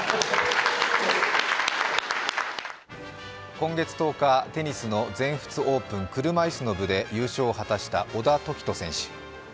今月１０日、テニスの全仏オープンテニス車いすの部で優勝を果たした小田凱人選手。